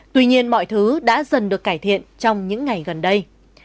tuy nhiên mọi thứ đã dần được cải thiện trong những ngày gần đây